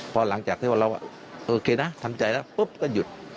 พอหลังจากที่ว่าเราโอเคนะทำใจแล้วปุ๊บก็หยุด